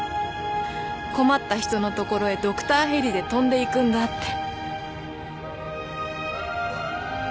困った人の所へドクターヘリで飛んでいくんだって。